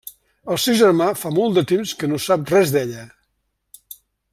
El seu germà fa molt de temps que no sap res d'ella.